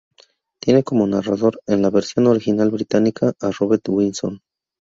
Tiene como narrador, en la versión original británica, a Robert Winston.